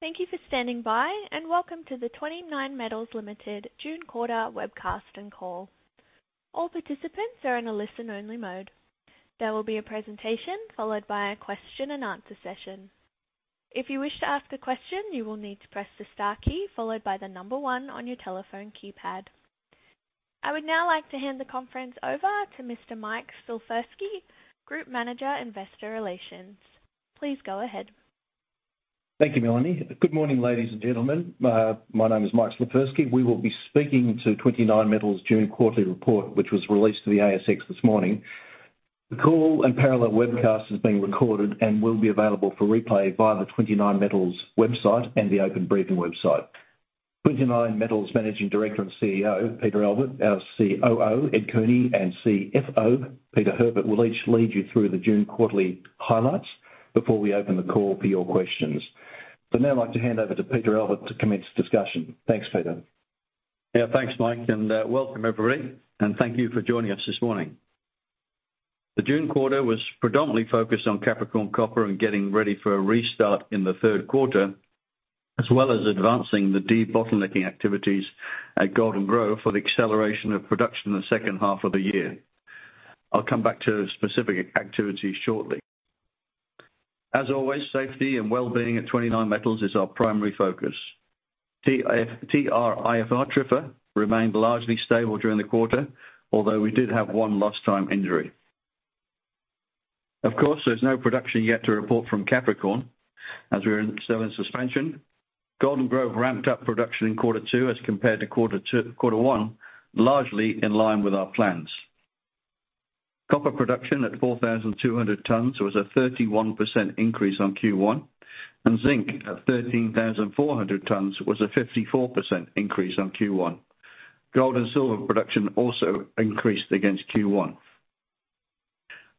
Thank you for standing by, and welcome to the 29Metals Limited June quarter webcast and call. All participants are in a listen-only mode. There will be a presentation, followed by a question-and-answer session. If you wish to ask a question, you will need to press the star key followed by the number one on your telephone keypad. I would now like to hand the conference over to Mr. Mike Slifirski, Group Manager, Investor Relations. Please go ahead. Thank you, Melanie. Good morning, ladies and gentlemen. My name is Mike Slifirski. We will be speaking to 29Metals' June quarterly report, which was released to the ASX this morning. The call and parallel webcast is being recorded and will be available for replay via the 29Metals website and the Openbriefing website. 29Metals Managing Director and CEO, Peter Albert, our COO, Ed Cooney, and CFO, Peter Herbert, will each lead you through the June quarterly highlights before we open the call for your questions. Now I'd like to hand over to Peter Albert to commence discussion. Thanks, Peter. Yeah, thanks, Mike, and welcome, everybody, and thank you for joining us this morning. The June quarter was predominantly focused on Capricorn Copper and getting ready for a restart in the third quarter, as well as advancing the de-bottlenecking activities at Golden Grove for the acceleration of production in the second half of the year. I'll come back to specific activities shortly. As always, safety and well-being at 29Metals is our primary focus. TRIFR remained largely stable during the quarter, although we did have one lost time injury. Of course, there's no production yet to report from Capricorn, as we're still in suspension. Golden Grove ramped up production in quarter two as compared to quarter one, largely in line with our plans. Copper production at 4,200 tons was a 31% increase on Q1, and zinc at 13,400 tons was a 54% increase on Q1. Gold and silver production also increased against Q1.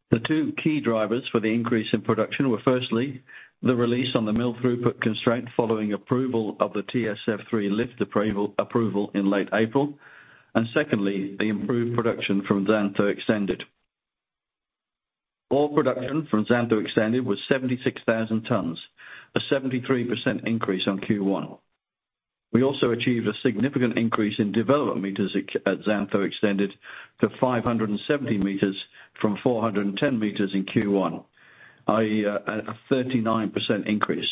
The two key drivers for the increase in production were, firstly, the release on the mill throughput constraint following approval of the TSF3 lift approval in late April, and secondly, the improved production from Xantho Extended. All production from Xantho Extended was 76,000 tons, a 73% increase on Q1. We also achieved a significant increase in development meters at Xantho Extended to 570 meters from 410 meters in Q1, i.e., a 39% increase.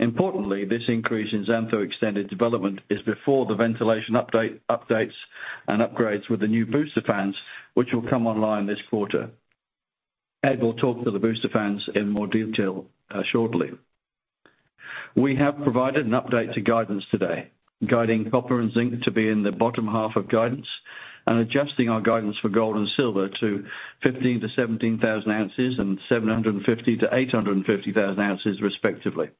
Importantly, this increase in Xantho Extended development is before the ventilation updates and upgrades with the new booster fans, which will come online this quarter. Ed will talk to the booster fans in more detail shortly. We have provided an update to guidance today, guiding copper and zinc to be in the bottom half of guidance and adjusting our guidance for gold and silver to 15-17,000 ounces and 750-850,000 ounces, respectively.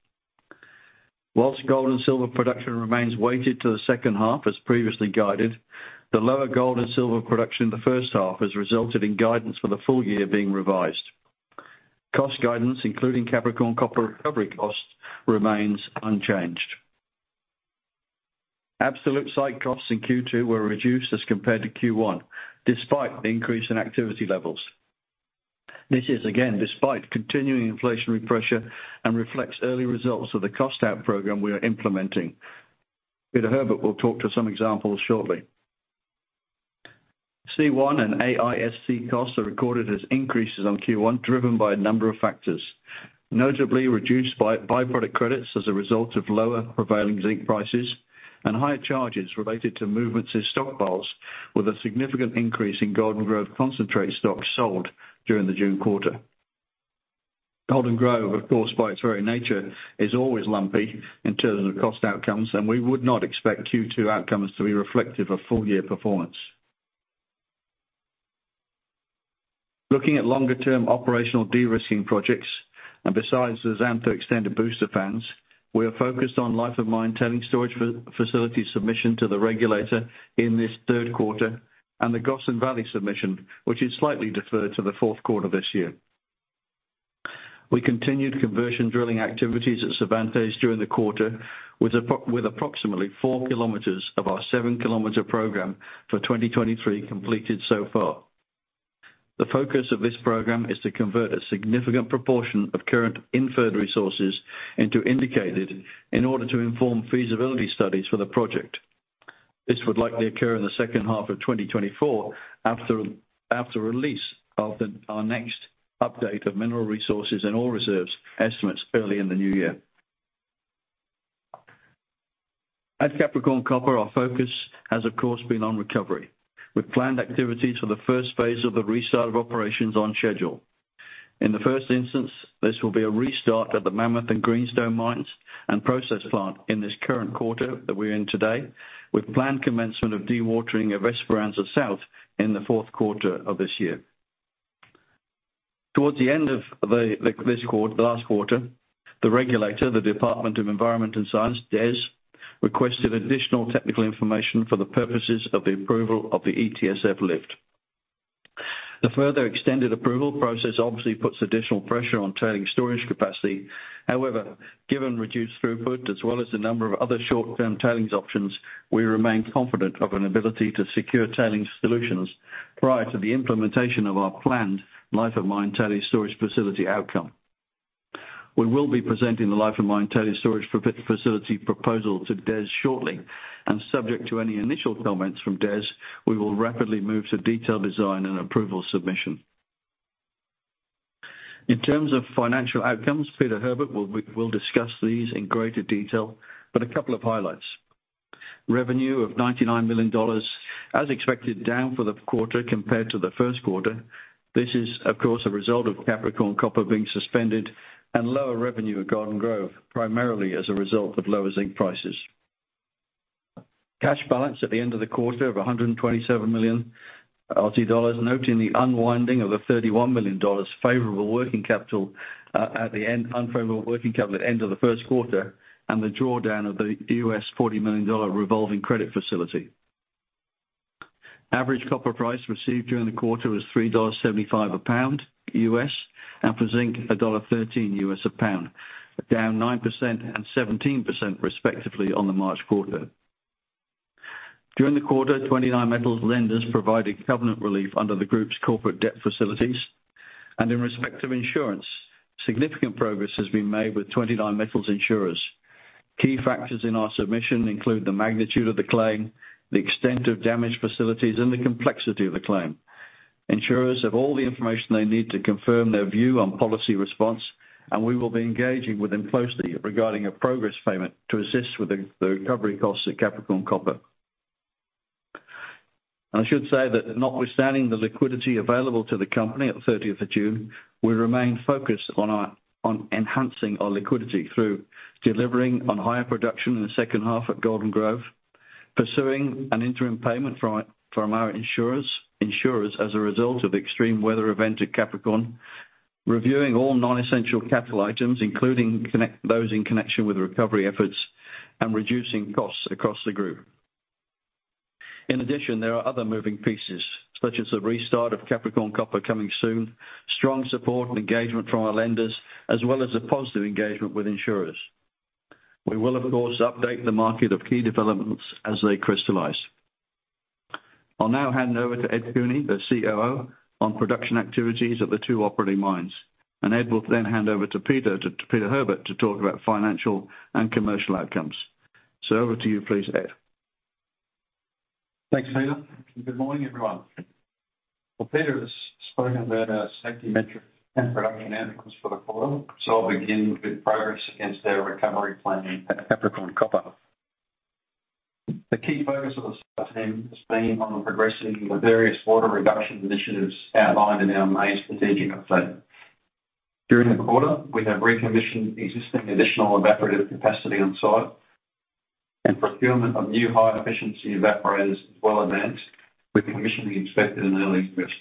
Gold and silver production remains weighted to the second half, as previously guided, the lower gold and silver production in the first half has resulted in guidance for the full year being revised. Cost guidance, including Capricorn Copper recovery costs, remains unchanged. Absolute site costs in Q2 were reduced as compared to Q1, despite the increase in activity levels. This is, again, despite continuing inflationary pressure and reflects early results of the cost out program we are implementing. Peter Herbert will talk to some examples shortly. C1 and AISC costs are recorded as increases on Q1, driven by a number of factors, notably reduced by byproduct credits as a result of lower prevailing zinc prices and higher charges related to movements in stockpiles, with a significant increase in Golden Grove concentrate stocks sold during the June quarter. We would not expect Q2 outcomes to be reflective of full-year performance. Looking at longer-term operational de-risking projects, besides the Xantho Extended booster fans, we are focused on life of mine tailing storage facility submission to the regulator in this third quarter and the Gossan Valley submission, which is slightly deferred to the fourth quarter this year. We continued conversion drilling activities at Cervantes during the quarter, with approximately four kilometers of our seven-kilometer program for 2023 completed so far. The focus of this program is to convert a significant proportion of current inferred resources into indicated in order to inform feasibility studies for the project. This would likely occur in the second half of 2024, after release of our next update of mineral resources and all reserves estimates early in the new year. At Capricorn Copper, our focus has, of course, been on recovery, with planned activities for the first phase of the restart of operations on schedule. In the first instance, this will be a restart at the Mammoth and Greenstone mines and process plant in this current quarter that we're in today, with planned commencement of dewatering of Esperanza South in the fourth quarter of this year. Towards the end of the this quarter, the last quarter, the regulator, the Department of Environment and Science, DES, requested additional technical information for the purposes of the approval of the ETSF lift. The further extended approval process obviously puts additional pressure on tailing storage capacity. Given reduced throughput, as well as a number of other short-term tailings options, we remain confident of an ability to secure tailings solutions prior to the implementation of our planned life of mine tailings storage facility outcome. We will be presenting the life of mine tailie storage facility proposal to DES shortly, and subject to any initial comments from DES, we will rapidly move to detail design and approval submission. In terms of financial outcomes, Peter Herbert will discuss these in greater detail, but a couple of highlights. Revenue of 99 million dollars, as expected, down for the quarter compared to the first quarter. This is, of course, a result of Capricorn Copper being suspended and lower revenue at Golden Grove, primarily as a result of lower zinc prices. Cash balance at the end of the quarter of 127 million Aussie dollars, noting the unwinding of 31 million dollars favorable working capital, unfavorable working capital at end of the first quarter, and the drawdown of the $40 million revolving credit facility. Average copper price received during the quarter was $3.75 a pound US, and for zinc, $1.13 US a pound, down 9% and 17% respectively on the March quarter. During the quarter, 29Metals lenders provided covenant relief under the group's corporate debt facilities. In respect to insurance, significant progress has been made with 29Metals insurers. Key factors in our submission include the magnitude of the claim, the extent of damaged facilities, and the complexity of the claim. Insurers have all the information they need to confirm their view on policy response, and we will be engaging with them closely regarding a progress payment to assist with the recovery costs at Capricorn Copper. I should say that, notwithstanding the liquidity available to the company at the 30th of June, we remain focused on enhancing our liquidity through delivering on higher production in the second half at Golden Grove, pursuing an interim payment from our insurers as a result of extreme weather event at Capricorn, reviewing all non-essential capital items, including those in connection with recovery efforts, and reducing costs across the group. In addition, there are other moving pieces, such as the restart of Capricorn Copper coming soon, strong support and engagement from our lenders, as well as a positive engagement with insurers. We will, of course, update the market of key developments as they crystallize. I'll now hand over to Ed Cooney, the COO, on production activities of the two operating mines, and Ed will then hand over to Peter, to Peter Herbert, to talk about financial and commercial outcomes. Over to you, please, Ed. Peter has spoken about our safety metrics and production outcomes for the quarter, so I'll begin with progress against our recovery plan at Capricorn Copper. The key focus of the team has been on progressing the various water reduction initiatives outlined in our May strategic update. During the quarter, we have recommissioned existing additional evaporative capacity on site and procurement of new high-efficiency evaporators as well advanced, with commissioning expected in early August.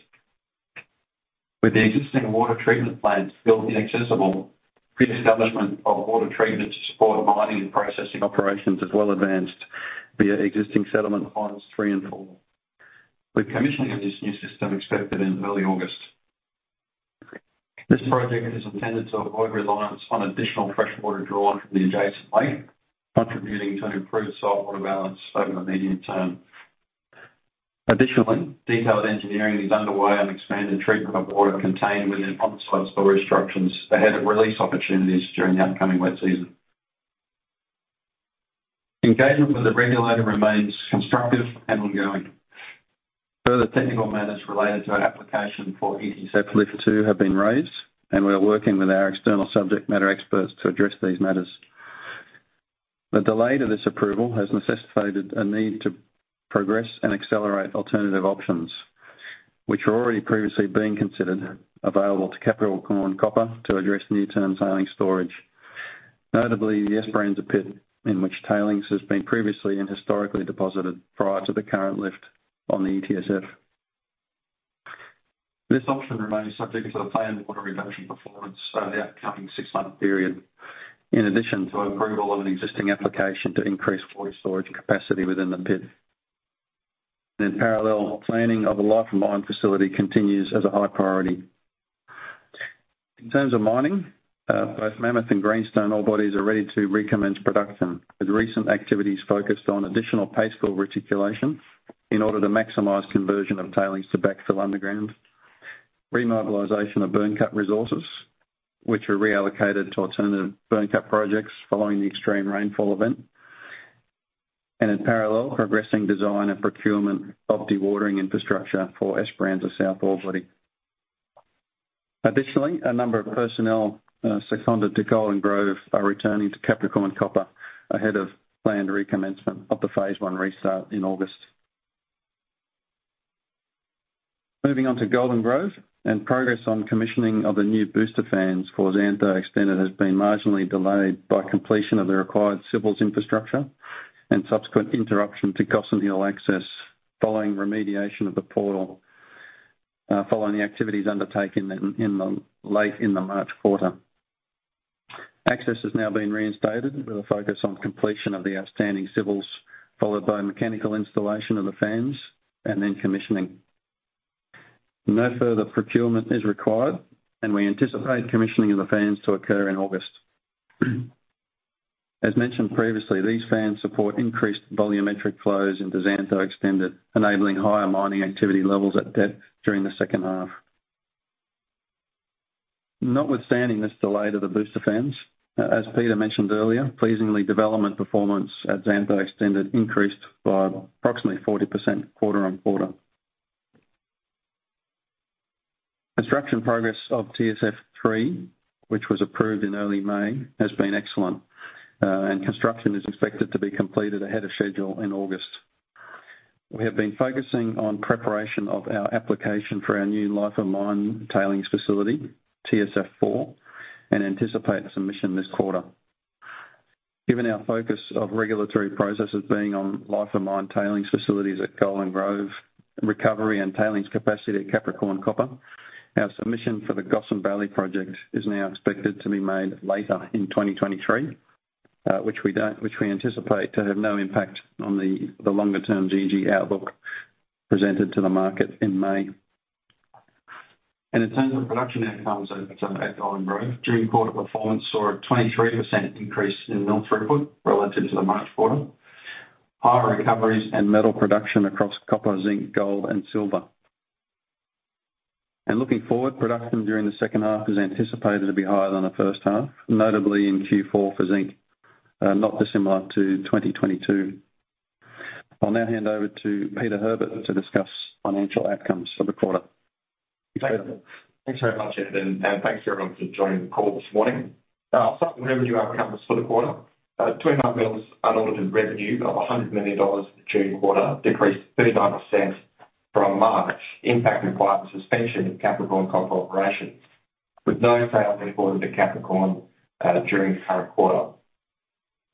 With the existing water treatment plant still inaccessible, reestablishment of water treatment to support mining and processing operations is well advanced via existing settlement ponds three and four, with commissioning of this new system expected in early August. This project is intended to rely reliance on additional freshwater drawn from the adjacent lake, contributing to improved salt water balance over the medium term. Additionally, detailed engineering is underway on expanded treatment of water contained within on-site storage structures ahead of release opportunities during the upcoming wet season. Engagement with the regulator remains constructive and ongoing. Further technical matters related to our application for ETSF Lift Two have been raised, and we are working with our external subject matter experts to address these matters. The delay to this approval has necessitated a need to progress and accelerate alternative options, which are already previously being considered available to Capricorn Copper to address near-term tailings storage. Notably, the Esperanza Pit, in which tailings has been previously and historically deposited prior to the current lift on the ETSF. This option remains subject to the planned water reduction performance over the upcoming six-month period, in addition to approval of an existing application to increase water storage capacity within the pit. In parallel, planning of a life-of-mine facility continues as a high priority. In terms of mining, both Mammoth and Greenstone ore bodies are ready to recommence production, with recent activities focused on additional paste fill reticulation in order to maximize conversion of tailings to backfill underground. Remobilization of Byrnecut resources, which are reallocated to alternative Byrnecut projects following the extreme rainfall event, and in parallel, progressing design and procurement of dewatering infrastructure for Esperanza South ore body. Additionally, a number of personnel, seconded to Golden Grove are returning to Capricorn Copper ahead of planned recommencement of the phase one restart in August. Moving on to Golden Grove, Progress on commissioning of the new booster fans for Xantho Extended has been marginally delayed by completion of the required civils infrastructure and subsequent interruption to Gossan Hill access following remediation of the portal, following the activities undertaken in the late March quarter. Access has now been reinstated with a focus on completion of the outstanding civils, followed by mechanical installation of the fans and then commissioning. No further procurement is required, and we anticipate commissioning of the fans to occur in August. As mentioned previously, these fans support increased volumetric flows into Xantho Extended, enabling higher mining activity levels at depth during the second half. Notwithstanding this delay to the booster fans, as Peter mentioned earlier, pleasingly, development performance at Xantho Extended increased by approximately 40% quarter-on-quarter. Construction progress of TSF3, which was approved in early May, has been excellent, and construction is expected to be completed ahead of schedule in August. We have been focusing on preparation of our application for our new life of mine tailings facility, TSF4, and anticipate submission this quarter. Given our focus of regulatory processes being on life of mine tailings facilities at Golden Grove, recovery and tailings capacity at Capricorn Copper, our submission for the Gossan Valley project is now expected to be made later in 2023, which we anticipate to have no impact on the longer-term GG outlook presented to the market in May. In terms of production outcomes over at Golden Grove, June quarter performance saw a 23% increase in mill throughput relative to the March quarter. Higher recoveries and metal production across copper, zinc, gold, and silver. Looking forward, production during the second half is anticipated to be higher than the first half, notably in Q4 for zinc, not dissimilar to 2022. I'll now hand over to Peter Herbert to discuss financial outcomes for the quarter. Peter? Thanks very much, Ed, and thanks, everyone, for joining the call this morning. I'll start with revenue outcomes for the quarter. 29Metals unaudited revenue of 100 million dollars for the June quarter decreased 39% from March, impacting by the suspension of Capricorn Copper operations, with no sales reported to Capricorn during the current quarter.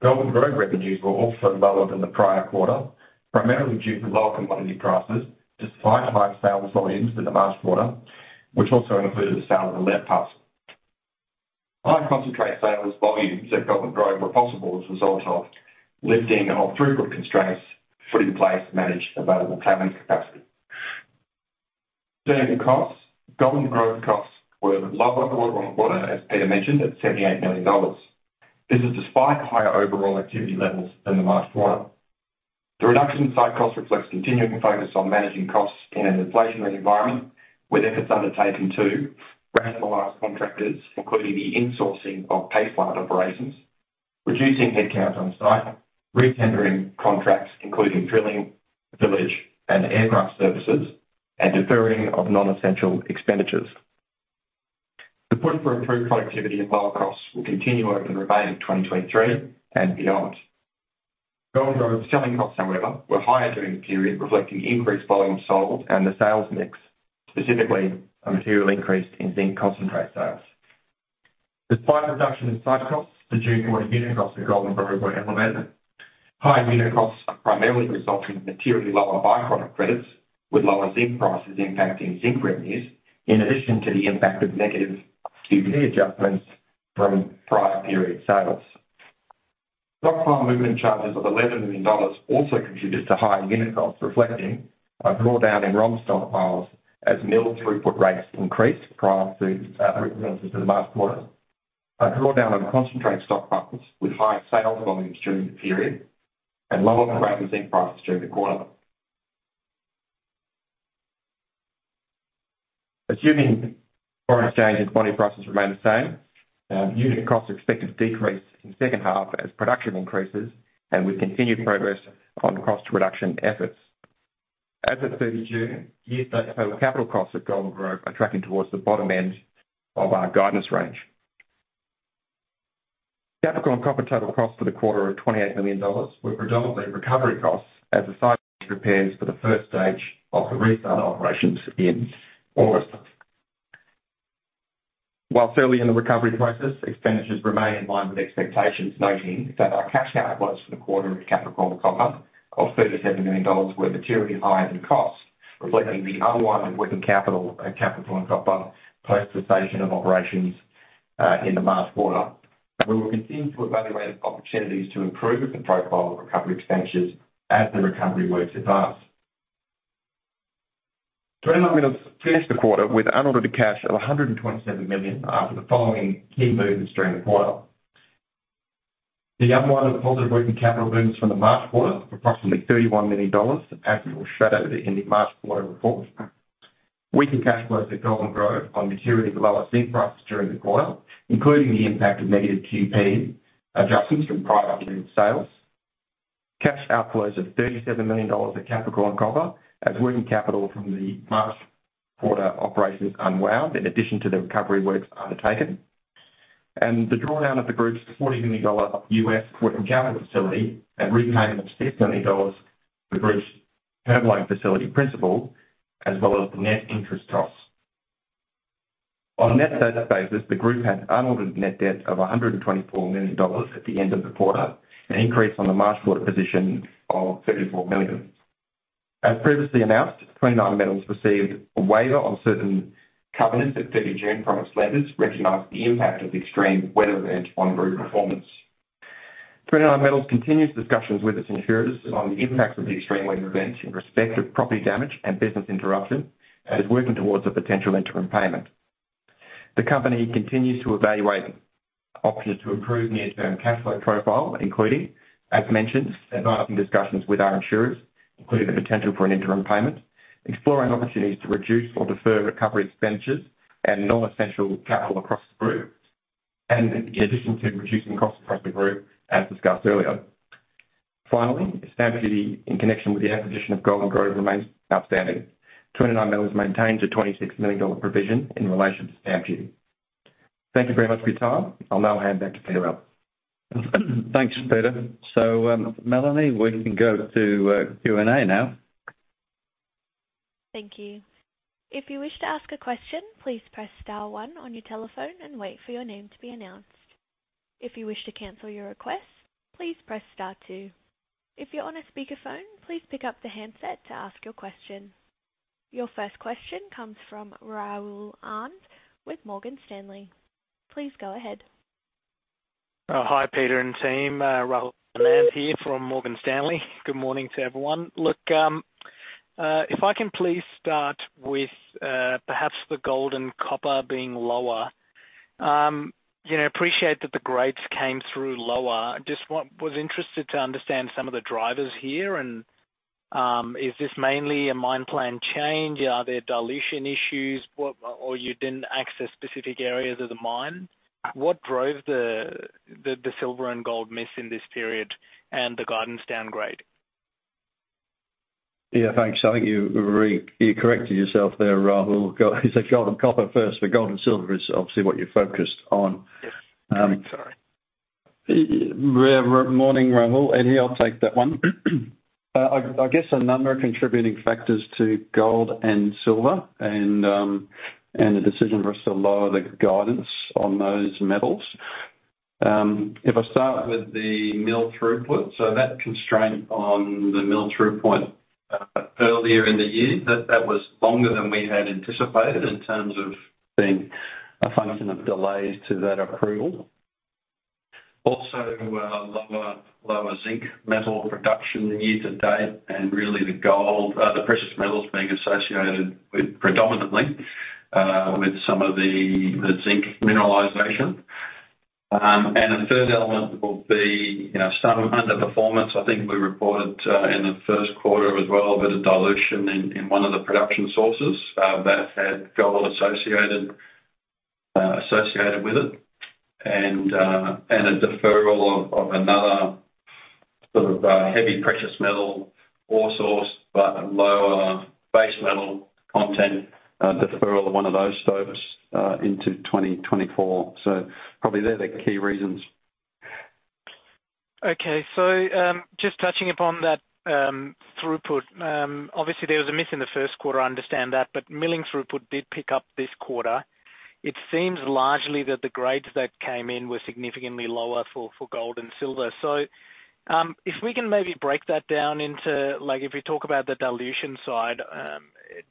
Golden Grove revenues were also lower than the prior quarter, primarily due to lower commodity prices, despite high sales volumes in the March quarter, which also included the sale of the lead parcel. High concentrate sales volumes at Golden Grove were possible as a result of lifting of throughput constraints, putting in place managed available cavern capacity. During the costs, Golden Grove costs were lower quarter on quarter, as Peter mentioned, at 78 million dollars. This is despite higher overall activity levels than the last quarter. The reduction in site cost reflects continuing focus on managing costs in an inflationary environment, with efforts undertaken to rationalize contractors, including the insourcing of pipeline operations, reducing headcount on site, re-tendering contracts, including drilling, village, and aircraft services, and deferring of non-essential expenditures. The push for improved productivity and lower costs will continue over the remaining of 2023 and beyond. Golden Grove selling costs, however, were higher during the period, reflecting increased volume sold and the sales mix, specifically a material increase in zinc concentrate sales. Despite reduction in site costs, the June quarter unit costs at Golden Grove were elevated. Higher unit costs are primarily resulting in materially lower by-product credits, with lower zinc prices impacting zinc revenues, in addition to the impact of negative QP adjustments from prior period sales. Stockpile movement charges of 11 million dollars also contributed to higher unit costs, reflecting a drawdown in raw material stockpiles as mill throughput rates increased prior to the last quarter. A drawdown of concentrate stock profits with higher sales volumes during the period and lower concentrate zinc prices during the quarter. Assuming foreign exchange and commodity prices remain the same, unit costs are expected to decrease in the second half as production increases and with continued progress on cost reduction efforts. As of 30 June, year-to-date, total capital costs at Golden Grove are tracking towards the bottom end of our guidance range. Capricorn Copper total costs for the quarter are 28 million dollars, were predominantly recovery costs as the site prepares for the first stage of the restart operations in August. While early in the recovery process, expenditures remain in line with expectations, noting that our cash outflows for the quarter at Capricorn Copper of 37 million dollars were materially higher than costs, reflecting the unwind of working capital at Capricorn Copper, post cessation of operations in the last quarter. We will continue to evaluate opportunities to improve the profile of recovery expenditures as the recovery works advance. 29Metals finished the quarter with unaudited cash of 127 million after the following key movements during the quarter. The unwind of positive working capital gains from the March quarter, approximately 31 million dollars, as we showed in the March quarter report. Weaker cash flows at Golden Grove on materially lower zinc prices during the quarter, including the impact of negative QP adjustments from prior uploaded sales. Cash outflows of 37 million dollars at Capricorn Copper, as working capital from the March quarter operations unwound, in addition to the recovery works undertaken. The drawdown of the group's $40 million US working capital facility and repayment of AUD 60 million for the group's term loan facility principal, as well as the net interest costs. On a net debt basis, the group had unaudited net debt of 124 million dollars at the end of the quarter, an increase on the March quarter position of 34 million. As previously announced, 29Metals received a waiver on certain covenants at June 30 from its lenders, recognizing the impact of the extreme weather event on group performance. 29Metals continues discussions with its insurers on the impact of the extreme weather event in respect of property damage and business interruption, and is working towards a potential interim payment. The company continues to evaluate options to improve near-term cash flow profile, including, as mentioned, advancing discussions with our insurers, including the potential for an interim payment. Exploring opportunities to reduce or defer recovery expenditures and non-essential capital across the group, and in addition to reducing costs across the group, as discussed earlier. Finally, stamp duty in connection with the acquisition of Golden Grove remains outstanding. 29Metals maintains a 26 million dollar provision in relation to stamp duty. Thank you very much for your time. I'll now hand back to Peter Herbert. Thanks, Peter. Melanie, we can go to Q&A now. Thank you. If you wish to ask a question, please press star one on your telephone and wait for your name to be announced. If you wish to cancel your request, please press star two. If you're on a speakerphone, please pick up the handset to ask your question. Your first question comes from Rahul Anand with Morgan Stanley. Please go ahead. Hi, Peter and team. Rahul Anand here from Morgan Stanley. Good morning to everyone. You know, if I can please start with perhaps the gold and copper being lower. You know, appreciate that the grades came through lower. Just was interested to understand some of the drivers here. Is this mainly a mine plan change? Are there dilution issues, what, or you didn't access specific areas of the mine? What drove the silver and gold miss in this period and the guidance downgrade? Thanks. I think you corrected yourself there, Rahul. You said gold and copper first, but gold and silver is obviously what you're focused on. Yeah. Sorry. Morning, Rahul. Eddie, I'll take that one. I guess a number of contributing factors to gold and silver, and the decision for us to lower the guidance on those metals. If I start with the mill throughput, that constraint on the mill throughput earlier in the year was longer than we had anticipated in terms of being a function of delays to that approval. Also, lower zinc metal production year to date, and really the gold, the precious metals being associated with, predominantly, with some of the zinc mineralization. A third element will be, you know, some underperformance, I think we reported in the first quarter as well, a bit of dilution in one of the production sources that had gold associated with it. A deferral of another sort of, heavy precious metal ore source, but a lower base metal content, deferral of one of those stopes, into 2024. Probably they're the key reasons. Okay. Just touching upon that, throughput, obviously, there was a miss in the first quarter, I understand that, but milling throughput did pick up this quarter. It seems largely that the grades that came in were significantly lower for gold and silver. If we can maybe break that down into, like, if you talk about the dilution side,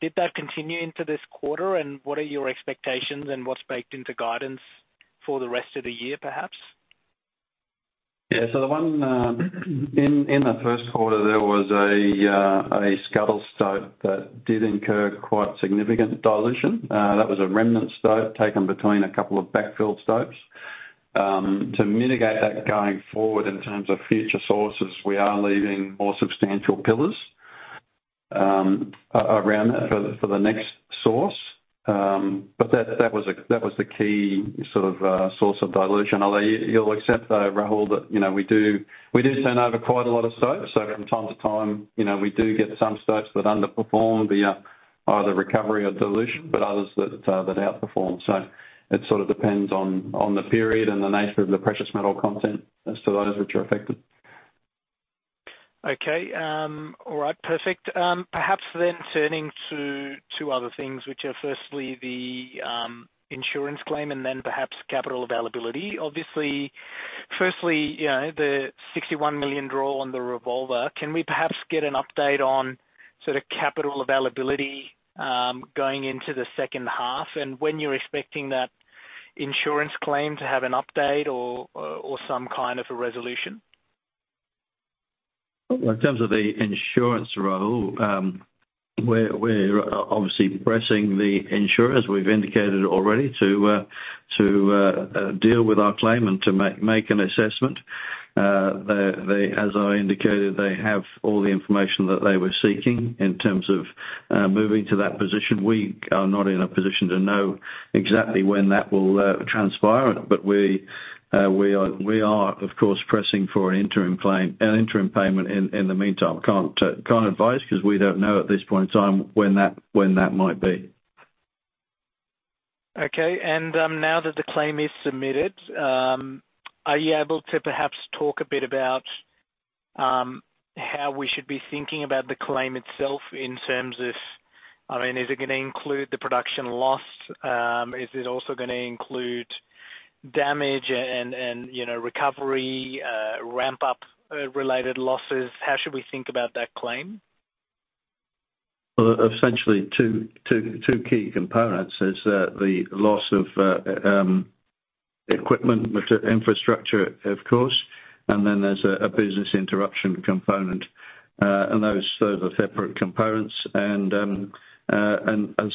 did that continue into this quarter? What are your expectations, and what's baked into guidance for the rest of the year, perhaps? Yeah. The one, in the first quarter, there was a scuttle stope that did incur quite significant dilution. That was a remnant stope taken between a couple of backfill stopes. To mitigate that going forward in terms of future sources, we are leaving more substantial pillars around that for the next source. That, that was a, that was the key sort of source of dilution. You'll accept, though, Rahul, that, you know, we do turn over quite a lot of stopes. From time to time, you know, we do get some stopes that underperform via either recovery or dilution, but others that outperform. It sort of depends on the period and the nature of the precious metal content as to those which are affected. Okay. All right, perfect. Perhaps then turning to two other things, which are firstly the insurance claim and then perhaps capital availability. Obviously, firstly, you know, the $61 million draw on the revolver. Can we perhaps get an update on sort of capital availability going into the second half, and when you're expecting that insurance claim to have an update or some kind of a resolution? In terms of the insurance, Rahul, we're obviously pressing the insurers. We've indicated already to deal with our claim and to make an assessment. They, as I indicated, they have all the information that they were seeking in terms of moving to that position. We are not in a position to know exactly when that will transpire, but we are, of course, pressing for an interim payment in the meantime. Can't advise because we don't know at this point in time when that might be. Okay. Now that the claim is submitted, are you able to perhaps talk a bit about how we should be thinking about the claim itself in terms of, I mean, is it gonna include the production loss? Is it also gonna include damage and, you know, recovery, ramp-up, related losses? How should we think about that claim? Well, essentially two key components is the loss of. Equipment, which is infrastructure, of course, and then there's a business interruption component. Those, those are separate components.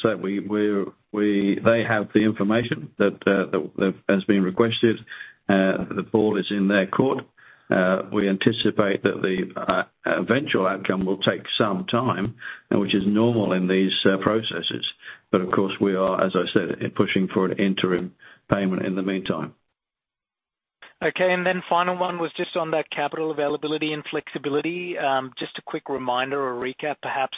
So we, they have the information that has been requested. The ball is in their court. We anticipate that the eventual outcome will take some time, and which is normal in these processes. Of course, we are, as I said, pushing for an interim payment in the meantime. Okay. Final one was just on that capital availability and flexibility. Just a quick reminder or recap, perhaps,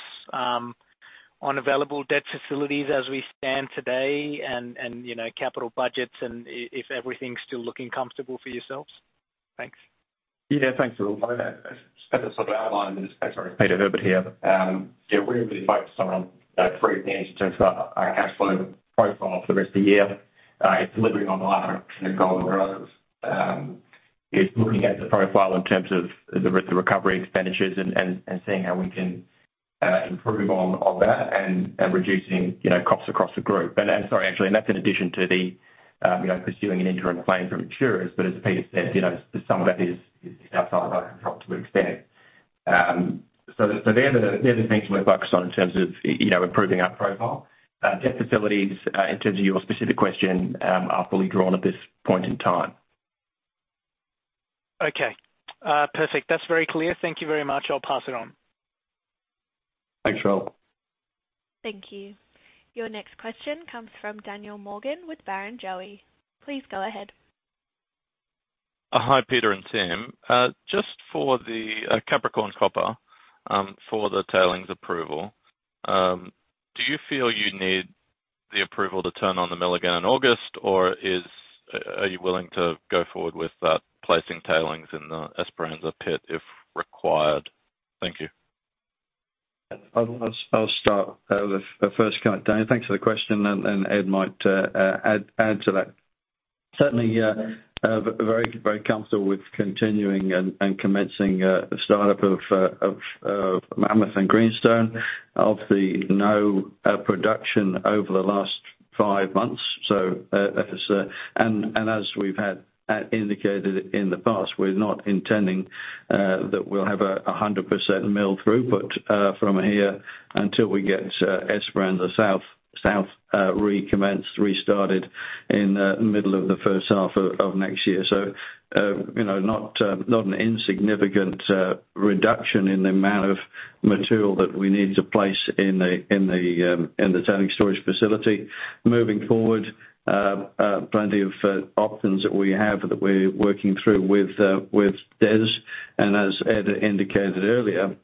on available debt facilities as we stand today and, you know, capital budgets, and if everything's still looking comfortable for yourselves? Thanks. Thanks, Raul. Just sort of outline, sorry, Peter Herbert here. We're really focused on three things in terms of our cash flow profile for the rest of the year. It's delivering on the latter goals. It's looking at the profile in terms of the rest of recovery expenditures and seeing how we can improve on that and reducing, you know, costs across the group. Sorry, actually, and that's in addition to the, you know, pursuing an interim claim from insurers. As Peter said, you know, some of that is outside of our control to an extent. So they're the, they're the things we're focused on in terms of, you know, improving our profile. Debt facilities, in terms of your specific question, are fully drawn at this point in time. Perfect. That's very clear. Thank you very much. I'll pass it on. Thanks, Raul. Thank you. Your next question comes from Daniel Morgan with Barrenjoey. Please go ahead. Hi, Peter and Tim. Just for the Capricorn Copper, for the tailings approval, do you feel you need the approval to turn on the mill again in August, or are you willing to go forward with placing tailings in the Esperanza pit, if required? Thank you. I'll start with the first comment. Dan, thanks for the question, and Ed might add to that. Certainly, very comfortable with continuing and commencing the startup of Mammoth and Greenstone. Obviously, no production over the last five months. As we've had indicated in the past, we're not intending that we'll have a 100% mill through, but from here until we get Esperanza South recommenced, restarted in the middle of the first half of next year. You know, not an insignificant reduction in the amount of material that we need to place in the tailing storage facility. Moving forward, plenty of options that we have, that we're working through with DES. As Ed indicated earlier,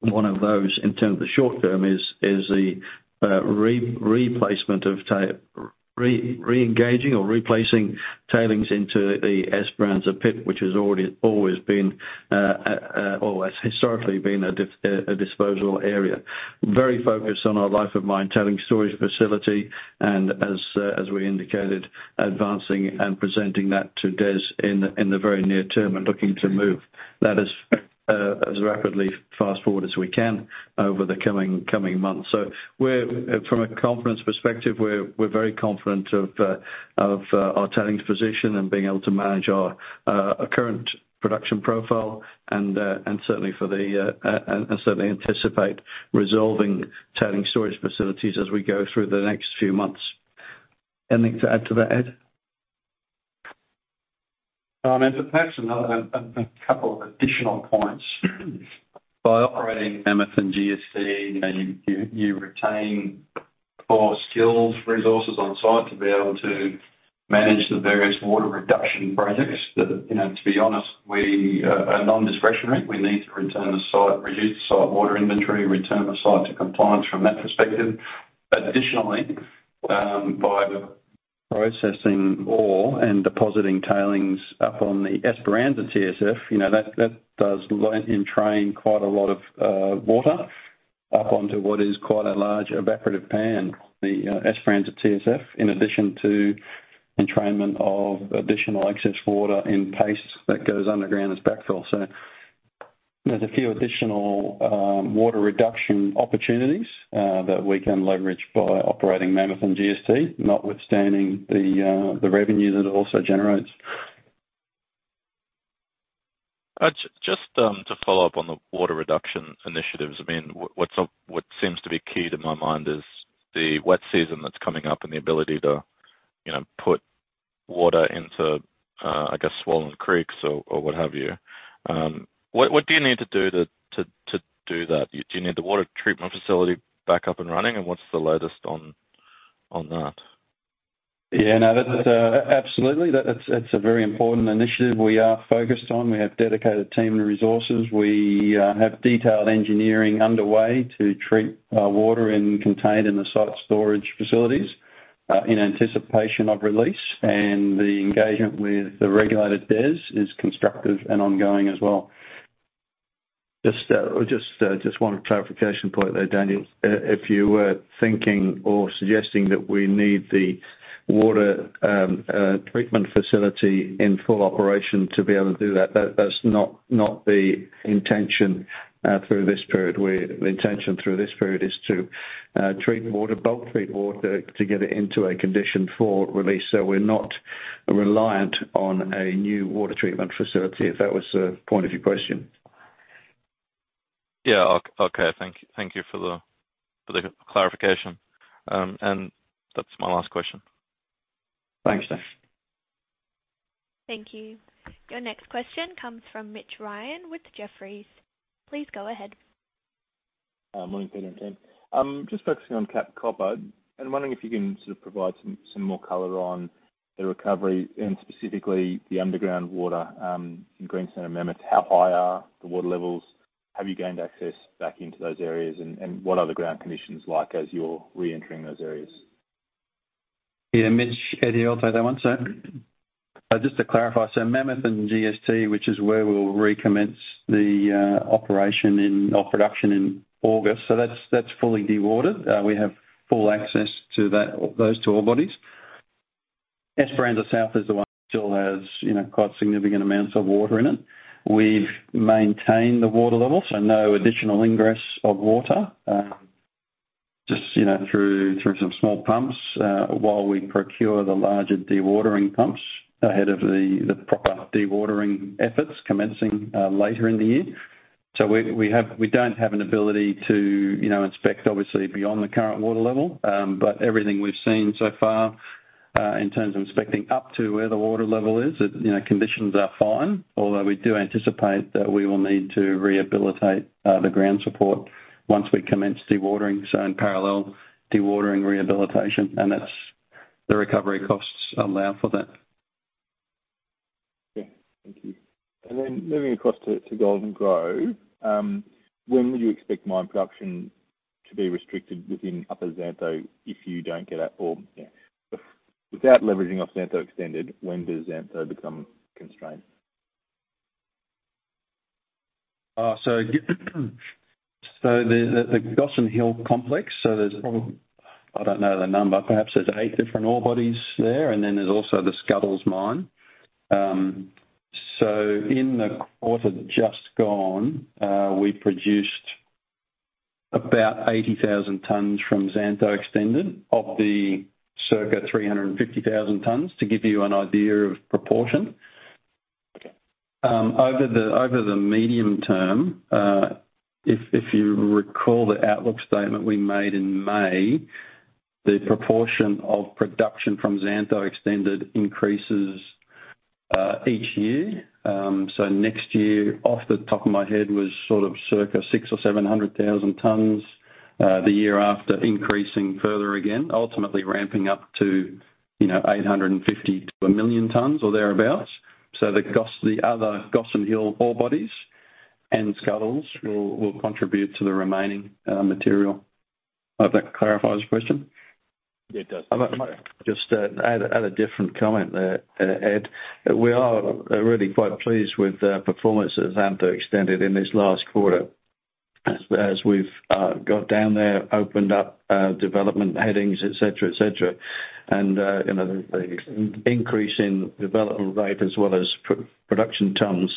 one of those, in terms of the short term, is the re-replacement of re-reengaging or replacing tailings into the Esperanza pit, which has already always been always historically been a disposal area. Very focused on our life of mine, tailings storage facility, and as we indicated, advancing and presenting that to DES in the very near term and looking to move that as rapidly fast forward as we can over the coming months. We're, from a confidence perspective, we're very confident of our tailings position and being able to manage our current production profile and certainly for the, and certainly anticipate resolving tailing storage facilities as we go through the next few months. Anything to add to that, Ed? And perhaps another a couple of additional points. By operating Mammoth and Greenstone, you know, you retain core skills, resources on site to be able to manage the various water reduction projects that, you know, to be honest, we are non-discretionary. We need to return the site, reduce the site water inventory, return the site to compliance from that perspective. Additionally, by processing ore and depositing tailings up on the Esperanza TSF, you know, that does entrain quite a lot of water up onto what is quite a large evaporative pan, the Esperanza TSF, in addition to entrainment of additional excess water in paste that goes underground as backfill. There's a few additional water reduction opportunities that we can leverage by operating Mammoth and Greenstone, notwithstanding the revenue that it also generates. Just to follow up on the water reduction initiatives, I mean, what's what seems to be key to my mind is the wet season that's coming up and the ability to, you know, put water into, I guess, swollen creeks or what have you. What do you need to do to do that? Do you need the water treatment facility back up and running? What's the latest on that? Yeah, no, that's absolutely. That's, that's a very important initiative we are focused on. We have dedicated team and resources. We have detailed engineering underway to treat water and contained in the site storage facilities in anticipation of release. The engagement with the regulated DES is constructive and ongoing as well. Just one clarification point there, Daniel. If you were thinking or suggesting that we need the water treatment facility in full operation to be able to do that's not the intention through this period. The intention through this period is to treat water, bulk treat water to get it into a condition for release. We're not reliant on a new water treatment facility, if that was the point of your question. Yeah. Okay, thank you for the clarification. That's my last question. Thanks, Dash. Thank you. Your next question comes from Mitch Ryan with Jefferies. Please go ahead. Morning, Peter and team. Just focusing on Cap Copper, wondering if you can sort of provide some more color on the recovery and specifically the underground water, in Greenstone and Mammoth. How high are the water levels? Have you gained access back into those areas, and what are the ground conditions like as you're re-entering those areas? Yeah, Mitch, Eddie, I'll take that one. Just to clarify, so Mammoth and GST, which is where we'll recommence the operation in, or production in August. That's, that's fully dewatered. We have full access to that, those two ore bodies. Esperanza South is the one that still has, you know, quite significant amounts of water in it. We've maintained the water level, so no additional ingress of water. Just, you know, through some small pumps, while we procure the larger dewatering pumps ahead of the proper dewatering efforts commencing later in the year. We don't have an ability to, you know, inspect, obviously, beyond the current water level. Everything we've seen so far, in terms of inspecting up to where the water level is, it, you know, conditions are fine. We do anticipate that we will need to rehabilitate the ground support once we commence dewatering, so in parallel, dewatering rehabilitation, and that's the recovery costs allow for that. Yeah. Thank you. Moving across to Golden Grove, when would you expect mine production to be restricted within upper Xantho if you don't get out or, yeah, without leveraging off Xantho Extended, when does Xantho become constrained? The Gossan Hill complex, I don't know the number, perhaps there's eight different ore bodies there, and then there's also the Scuddles mine. In the quarter just gone, we produced about 80,000 tons from Xantho Extended of the circa 350,000 tons, to give you an idea of proportion. Okay. Over the medium term, if you recall the outlook statement we made in May, the proportion of production from Xantho Extended increases each year. Next year, off the top of my head, was sort of circa 600,000 or 700,000 tons, the year after increasing further, again, ultimately ramping up to, you know, 850,000 to one million tons or thereabout. The other Gossan Hill ore bodies and Scuddles will contribute to the remaining material. I hope that clarifies your question? Yeah, it does. I might just add a different comment there, Ed. We are really quite pleased with the performance of Xantho Extended in this last quarter. As we've got down there, opened up development headings, et cetera, et cetera. You know, the increase in development rate as well as production tons,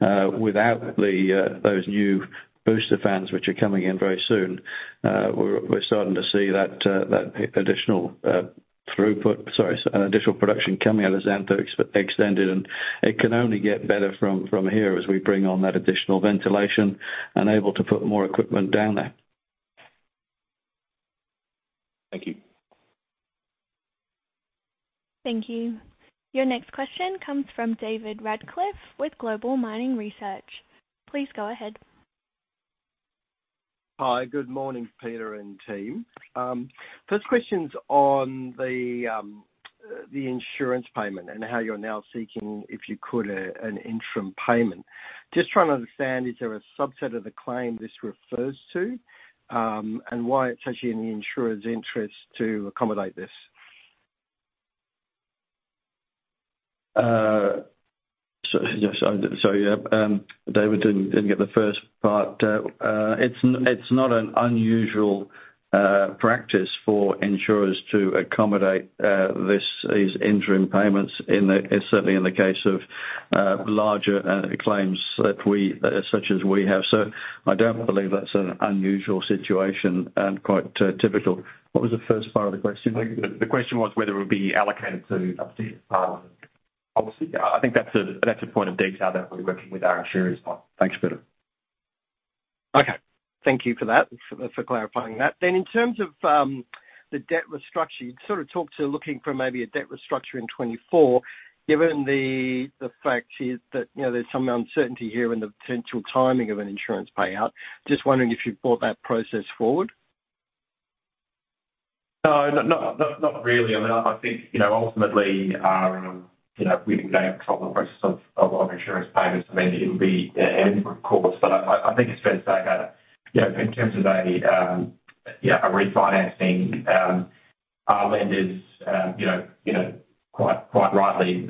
without those new booster fans, which are coming in very soon, we're starting to see that additional throughput, sorry, additional production coming out of Xantho Extended, and it can only get better from here as we bring on that additional ventilation and able to put more equipment down there. Thank you. Thank you. Your next question comes from David Radclyffe with Global Mining Research. Please go ahead. Hi, good morning, Peter and team. First question's on the insurance payment and how you're now seeking, if you could, an interim payment. Just trying to understand, is there a subset of the claim this refers to, and why it's actually in the insurer's interest to accommodate this? Yeah, David, didn't get the first part. It's not an unusual practice for insurers to accommodate these interim payments in the, certainly in the case of larger claims that we, such as we have. I don't believe that's an unusual situation and quite typical. What was the first part of the question? The question was whether it would be allocated to obviously. I think that's a point of detail that we'll be working with our insurers on. Thanks, Peter. Okay. Thank you for that, for clarifying that. In terms of the debt restructure, you'd sort of talked to looking for maybe a debt restructure in 2024, given the fact here that, you know, there's some uncertainty here in the potential timing of an insurance payout. Just wondering if you've brought that process forward? No, not really. I mean, I think, you know, ultimately, you know, we can have a proper process of insurance payments. I mean, it would be an input, of course, but I think it's fair to say that, you know, in terms of a, yeah, a refinancing, our lenders, you know, quite rightly,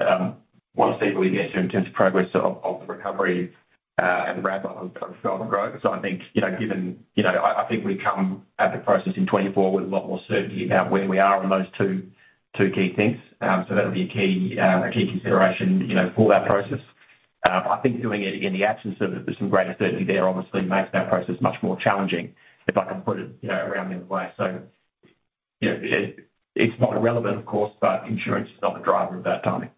want to see where we get to in terms of progress of the recovery and the ramp on Golden Grove. I think, you know, given... You know, I think we come at the process in 2024 with a lot more certainty about where we are on those two key things. That'll be a key, a key consideration, you know, for that process. I think doing it in the absence of some greater certainty there obviously makes that process much more challenging, if I can put it, you know, around in the way. You know, it's not irrelevant, of course, but insurance is not the driver of that timing.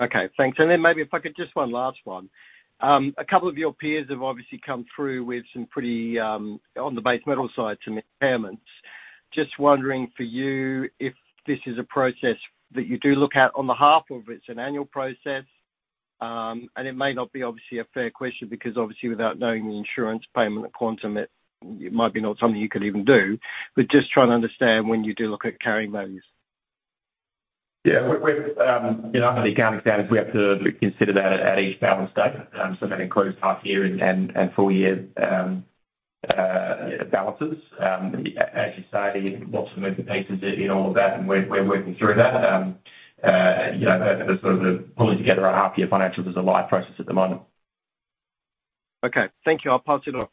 Okay, thanks. Maybe if I could, just one last one. A couple of your peers have obviously come through with some pretty, on the base metal side, some impairments. Just wondering for you, if this is a process that you do look at on the half of it's an annual process, and it may not be obviously a fair question because obviously, without knowing the insurance payment quantum, it might be not something you could even do. Just trying to understand when you do look at carrying those. Yeah, we've, you know, under the accounting standards, we have to consider that at each balance date, so that includes half year and full year balances. As you say, lots of moving pieces in all of that, and we're working through that. You know, sort of pulling together a half year financials is a live process at the moment. Okay. Thank you. I'll pass it off.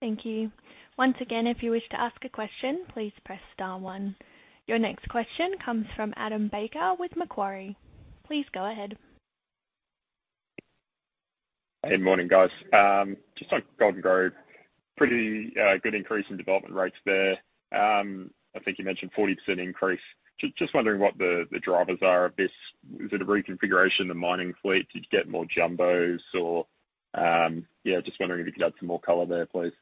Thank you. Once again, if you wish to ask a question, please press star one. Your next question comes from Adam Baker with Macquarie. Please go ahead. Good morning, guys. Just on Golden Grove, pretty, good increase in development rates there. I think you mentioned 40% increase. Just wondering what the drivers are of this. Is it a reconfiguration of the mining fleet? Did you get more jumbos or, yeah, just wondering if you could add some more color there, please.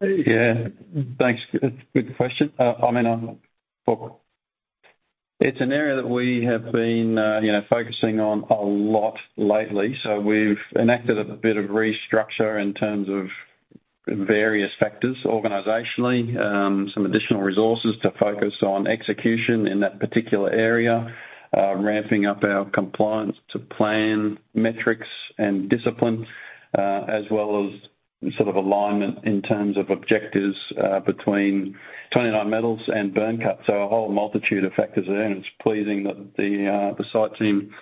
Yeah, thanks. Good question. I mean, look, it's an area that we have been, you know, focusing on a lot lately. We've enacted a bit of restructure in terms of various factors organizationally, some additional resources to focus on execution in that particular area, ramping up our compliance to plan, metrics, and disciplines, as well as sort of alignment in terms of objectives, between 29Metals and burn cuts. A whole multitude of factors there, and it's pleasing that the site team,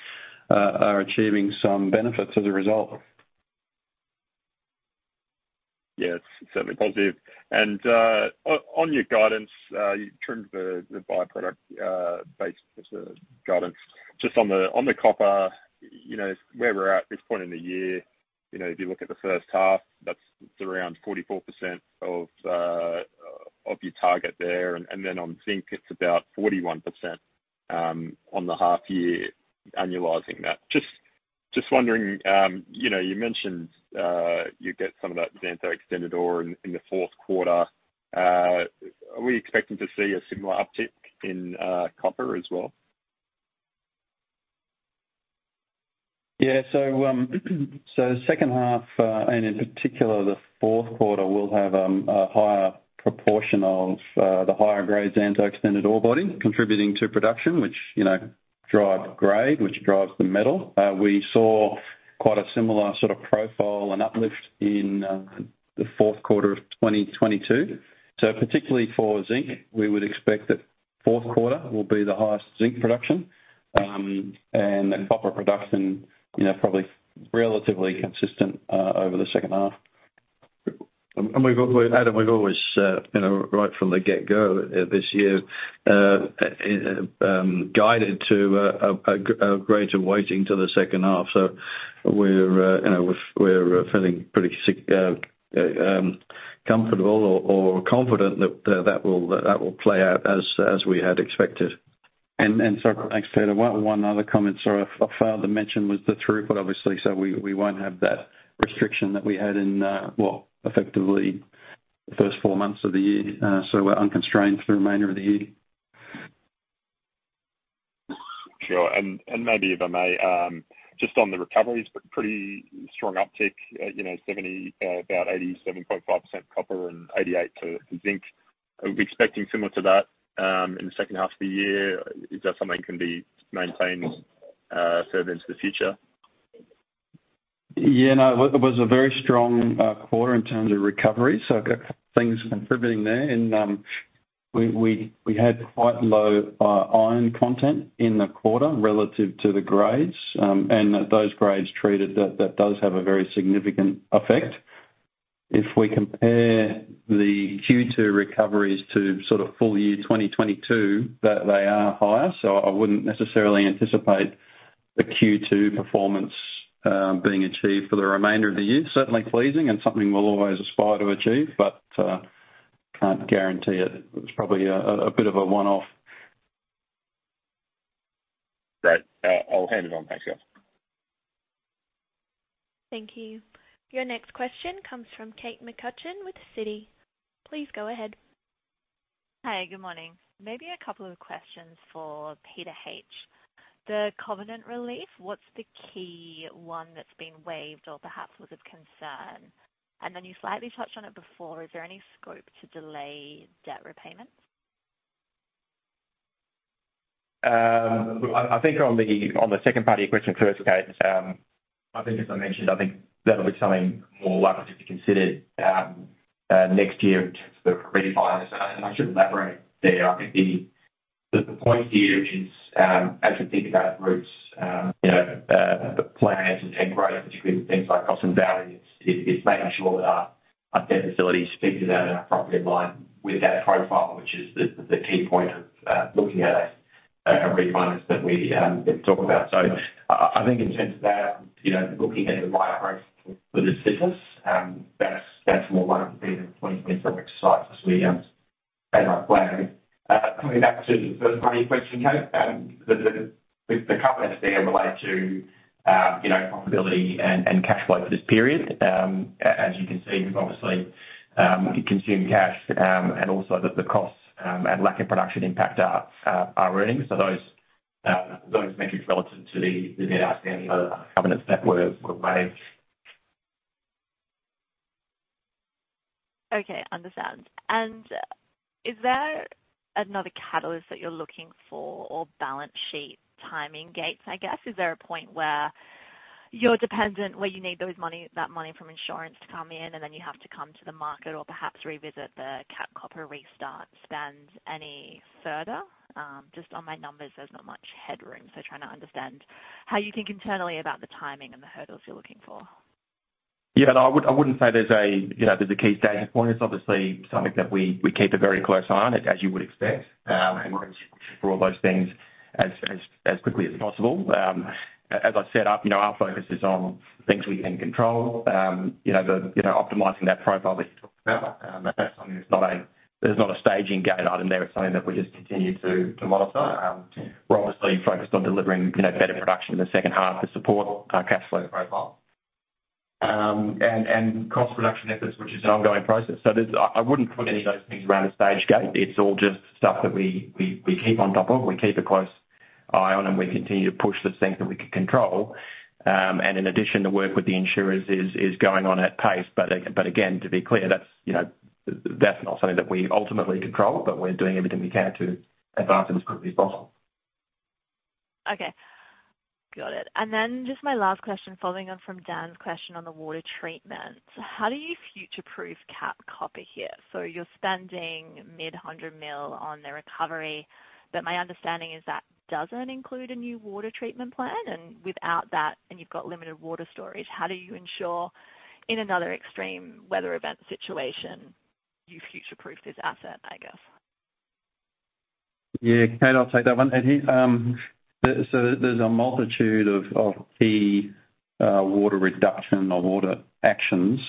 are achieving some benefits as a result. Yeah, it's certainly positive. On your guidance, you trimmed the byproduct based guidance. Just on the copper, you know, where we're at this point in the year, you know, if you look at the first half, that's around 44% of your target there. On zinc, it's about 41% on the half year, annualizing that. Just wondering, you know, you mentioned you get some of that Xantho Extended ore in the fourth quarter. Are we expecting to see a similar uptick in copper as well? Yeah. Second half, and in particular, the fourth quarter will have a higher proportion of the higher grade Xantho Extended ore body contributing to production, which, you know, drive grade, which drives the metal. We saw quite a similar sort of profile and uplift in the fourth quarter of 2022. Particularly for zinc, we would expect that fourth quarter will be the highest zinc production, and copper production, you know, probably relatively consistent over the second half. Adam, we've always, you know, right from the get-go, guided to a greater weighting to the second half. We're, you know, we're feeling pretty comfortable or confident that will play out as we had expected. Thanks, Peter. One other comment, so a further mention was the throughput, obviously, so we won't have that restriction that we had in, well, effectively, the first four months of the year. We're unconstrained for the remainder of the year. Sure. Maybe, if I may, just on the recoveries, but pretty strong uptick, you know, about 87.5% copper and 88% zinc. Are we expecting similar to that in the second half of the year? Is that something can be maintained further into the future? Yeah, no, it was a very strong quarter in terms of recovery. A couple things contributing there. We had quite low iron content in the quarter relative to the grades, and those grades treated, that does have a very significant effect. If we compare the Q2 recoveries to sort of full year 2022, that they are higher. I wouldn't necessarily anticipate the Q2 performance being achieved for the remainder of the year. Certainly pleasing and something we'll always aspire to achieve, but can't guarantee it. It's probably a bit of a one-off. Great. I'll hand it on. Thanks, guys. Thank you. Your next question comes from Kate McCutcheon with Citi. Please go ahead. Hi, good morning. Maybe a couple of questions for Peter H. The covenant relief, what's the key one that's been waived or perhaps was of concern? You slightly touched on it before, is there any scope to delay debt repayments? I think on the second part of your question first, Kate, I think as I mentioned, I think that'll be something more likely to be considered next year in terms of refiners. I should elaborate there. I think the point here is, as you think about routes, you know, plans and integrated, particularly with things like cost and value, it's making sure that our debt facility speaks about our property in line with that profile, which is the key point of looking at a refinance that we talk about. I think in terms of that, you know, looking at the right price for this business, that's more likely to be the 2024 exercise as we as I planned. Coming back to the first money question, Kate, the covenants there relate to, you know, profitability and cash flow for this period. As you can see, obviously, we consume cash, and also the costs and lack of production impact our earnings. Those metrics relative to the net outstand covenants that were made. Okay, understand. Is there another catalyst that you're looking for or balance sheet timing gates, I guess? Is there a point where you're dependent, where you need that money from insurance to come in, and then you have to come to the market or perhaps revisit the Cap Copper restart spend any further? Just on my numbers, there's not much headroom, so trying to understand how you think internally about the timing and the hurdles you're looking for. Yeah, no, I would, I wouldn't say there's a, you know, there's a key staging point. It's obviously something that we keep a very close eye on, as you would expect, and for all those things as quickly as possible. As I set up, you know, our focus is on things we can control. You know, the, you know, optimizing that profile that you talked about, that's something that's not a staging gate item there. It's something that we just continue to monitor. We're obviously focused on delivering, you know, better production in the second half to support our cash flow profile. Cost reduction efforts, which is an ongoing process. There's I wouldn't put any of those things around a stage gate. It's all just stuff that we keep on top of, we keep a close eye on, we continue to push the things that we can control. In addition, the work with the insurers is going on at pace. Again, to be clear, that's, you know, that's not something that we ultimately control, but we're doing everything we can to advance it as quickly as possible. Okay, got it. Just my last question, following on from Dan's question on the water treatment. How do you future-proof cap copper here? You're spending mid 100 million on the recovery, but my understanding is that doesn't include a new water treatment plant, and without that, and you've got limited water storage, how do you ensure in another extreme weather event situation, you future-proof this asset, I guess? Yeah, Kate, I'll take that one. There's a multitude of key water reduction or water actions.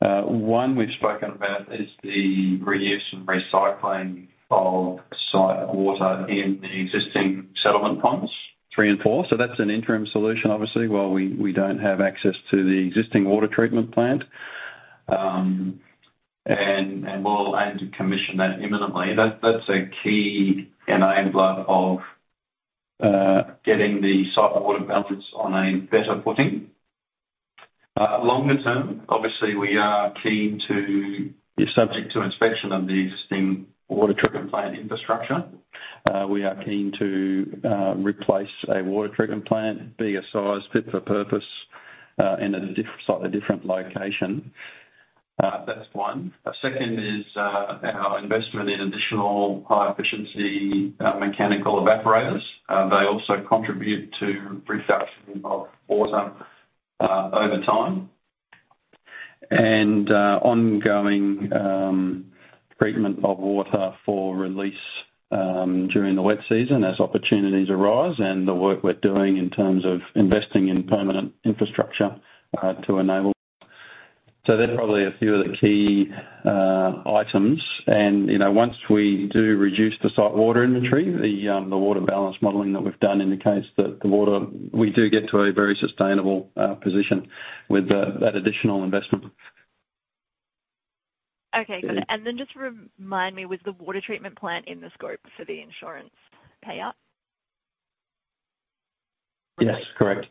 One we've spoken about is the reuse and recycling of site water in the existing settlement ponds three and four. That's an interim solution obviously, while we don't have access to the existing water treatment plant. We'll aim to commission that imminently. That's a key enabler of getting the site water balance on a better footing. Longer term, obviously, we are keen to be subject to inspection of the existing water treatment plant infrastructure. We are keen to replace a water treatment plant, be a size fit for purpose, in a slightly different location. That's one. A second is our investment in additional high efficiency, mechanical evaporators. They also contribute to reduction of water over time. Ongoing treatment of water for release during the wet season as opportunities arise, and the work we're doing in terms of investing in permanent infrastructure to enable. They're probably a few of the key items. You know, once we do reduce the site water inventory, the water balance modeling that we've done indicates that the water we do get to a very sustainable position with that additional investment. Okay, got it. Then just remind me, was the water treatment plant in the scope for the insurance payout? Yes, correct. Yeah.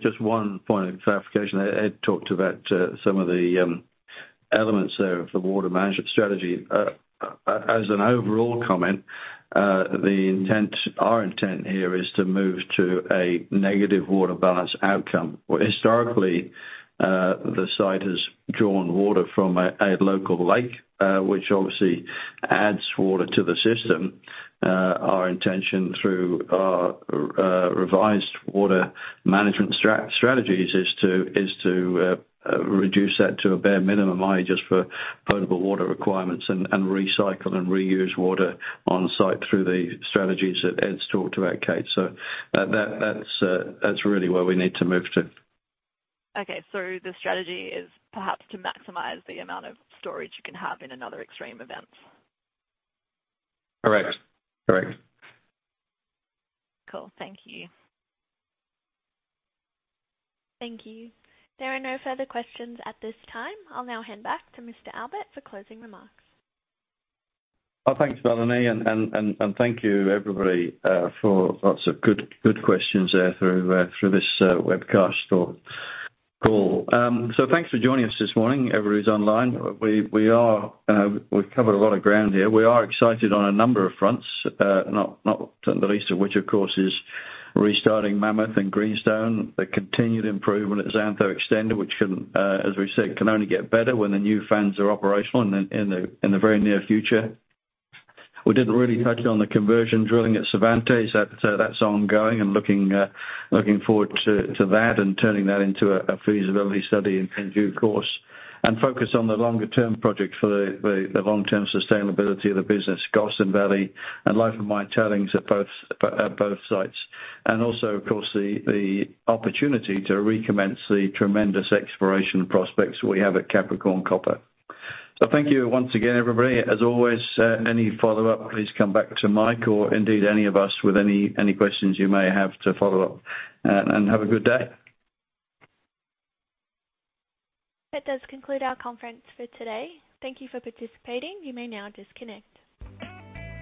Just one point of clarification. Ed talked about some of the elements there of the water management strategy. As an overall comment, our intent here is to move to a negative water balance outcome. Historically, the site has drawn water from a local lake, which obviously adds water to the system. Our intention through our revised water management strategies is to reduce that to a bare minimum, only just for potable water requirements, and recycle and reuse water on site through the strategies that Ed's talked about, Kate. That's really where we need to move to. Okay. The strategy is perhaps to maximize the amount of storage you can have in another extreme event? Correct. Correct. Cool. Thank you. Thank you. There are no further questions at this time. I'll now hand back to Mr. Albert for closing remarks. Well, thanks, Melanie, and thank you, everybody, for lots of good questions there through this webcast or call. Thanks for joining us this morning, everybody who's online. We are, we've covered a lot of ground here. We are excited on a number of fronts, not the least of which, of course, is restarting Mammoth and Greenstone, the continued improvement at Xantho Extended, which can, as we said, can only get better when the new fans are operational in the very near future. We didn't really touch on the conversion drilling at Cervantes. That's ongoing and looking forward to that and turning that into a feasibility study in due course. Focus on the longer term project for the long-term sustainability of the business, Gossan Valley and life of mine tailings at both sites. Also, of course, the opportunity to recommence the tremendous exploration prospects we have at Capricorn Copper. Thank you once again, everybody. As always, any follow-up, please come back to Mike or indeed any of us with any questions you may have to follow up, and have a good day. That does conclude our conference for today. Thank you for participating. You may now disconnect.